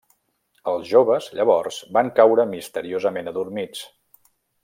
Els joves, llavors, van caure misteriosament adormits.